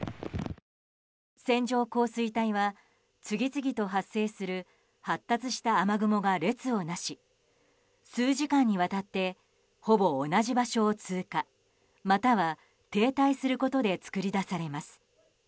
線状降水帯は次々と発生する発達した雨雲が列をなし数時間にわたってほぼ同じ場所を通過または停滞することで作り出されます。